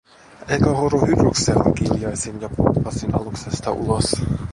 "Eka horo Hydruksel!", kiljaisin ja pomppasin aluksesta ulos.